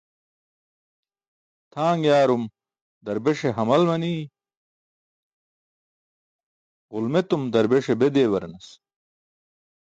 Tʰaaṅ yaarum darbeṣe hamal manii, ġulmetum darbeṣ be dewaranas.